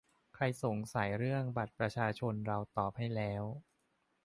ใครสงสัยเรื่อง บัตรประชาชน เราช่วยตอบให้แล้ว